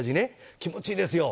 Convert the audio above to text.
気持ちいいですよ。